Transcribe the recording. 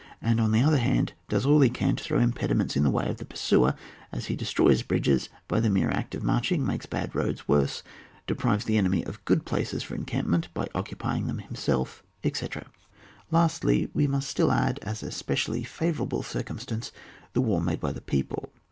and, on the other hand again, does all he can to throw impediments in the way of the pursuer, as he destroys bridges, by the mere CLct of marching makes bad roads worse, deprives the enemy of good places for encampment by occupying them himself, etc. Lastly, we must add still, as a specially favourable circumstance, the war made by the people.